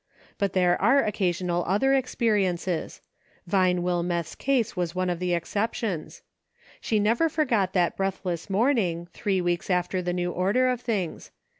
But there are occasional other experiences ; Vine Wilmeth's was one of the exceptions. She never forgot that breathless morn ing, three weeks after the new order of things.